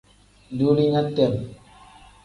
Duulinya tem.